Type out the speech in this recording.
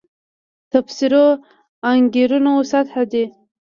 تفسیرو انګېرنو سطح دی.